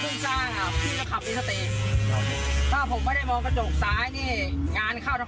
ช่างจนก่อนครับเขาพวกไม่ได้มองคาโจ๊กซ้ายนี่งานข้าวทาง